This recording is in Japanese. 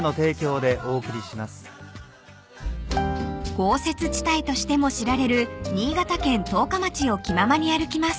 ［豪雪地帯としても知られる新潟県十日町を気ままに歩きます］